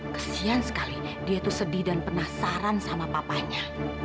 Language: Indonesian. kesian sekali dia itu sedih dan penasaran sama papanya